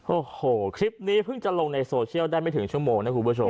โอ้โหคลิปนี้เพิ่งจะลงในโซเชียลได้ไม่ถึงชั่วโมงนะคุณผู้ชม